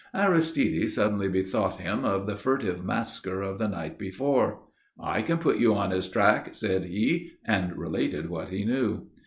Aristide suddenly bethought him of the furtive masquer of the night before. "I can put you on his track," said he, and related what he knew.